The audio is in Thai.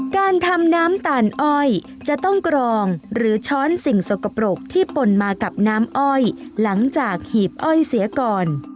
การทำน้ำตาลอ้อยจะต้องกรองหรือช้อนสิ่งสกปรกที่ปนมากับน้ำอ้อยหลังจากหีบอ้อยเสียก่อน